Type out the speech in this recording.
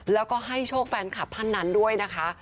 แล้วก็ให้โชคแฟนคลับท่านนั้นด้วยนะคะ